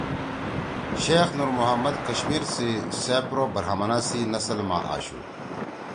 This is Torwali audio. شیخ نورمحمد کشمیر سی سپرو برہمنا سی نسل ما آشُو